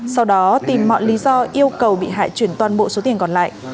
sau đó tìm mọi lý do yêu cầu bị hại chuyển toàn bộ số tiền còn lại